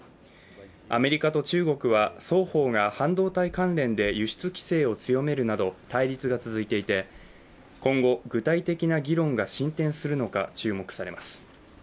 アメリカと中国は双方が半導体関連で輸出規制を強めるなど対立が続いていて、今後、具体的な議論が進展するのか注目されます。